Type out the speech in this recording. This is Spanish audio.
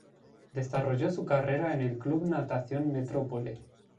Desarrolló su carrera en el Club Natación Metropole.